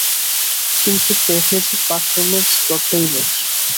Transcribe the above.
কিন্তু তেভেজের পারফরম্যান্স তথৈবচ।